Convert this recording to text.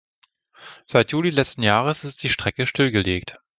Seit Juli letzten Jahres ist die Strecke stillgelegt.